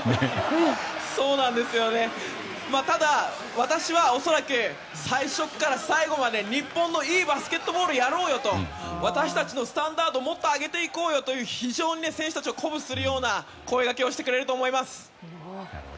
ただ、私は恐らく最初から最後まで日本のいいバスケットボールやろうよと私たちのスタンダードをもっと上げていこうよと非常に選手たちを鼓舞するような声掛けをしてくれると思います。